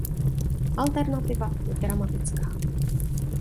Alternativa je dramatická.